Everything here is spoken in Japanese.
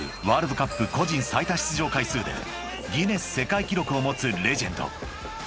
ワールドカップ個人最多出場回数でギネス世界記録を持つレジェンド］